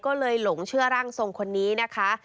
ก็เลยหลงเชื่อร่างทรงคนนี้นะคะ